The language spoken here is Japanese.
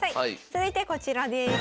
続いてこちらです。